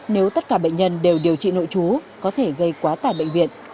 nếu tất cả bệnh nhân đều điều trị nội trú có thể gây quá tải bệnh viện